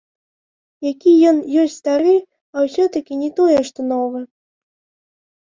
Які ён ёсць стары, а ўсё-такі не тое, што новы.